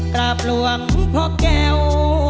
กราบหลวงพ่อแก้ว